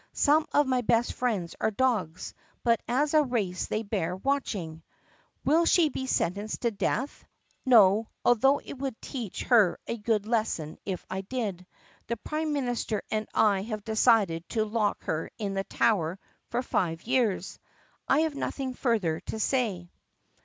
Some of my best friends are dogs but as a race they bear watching. " 'Will she be sentenced to death*? No, although it would teach her a good lesson if I did. The prime minister and I have decided to lock her in the tower for five years. " 'I have nothing further to say.